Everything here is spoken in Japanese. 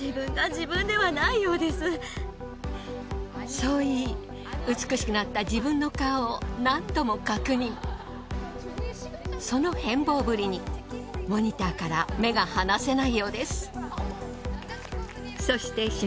そう言い美しくなったその変貌ぶりにモニターから目が離せないようです。